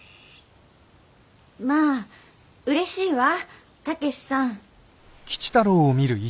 まあうれしいわ武さん。